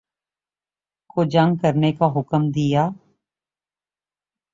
کو جنگ کرنے کا حکم دیا